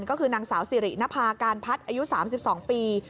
ก็คือนางสาวสิรินภาการพัฒน์อายุ๓๒ปี